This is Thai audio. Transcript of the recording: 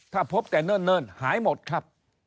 ถ้าพบแต่เนิ่นหายหมดครับ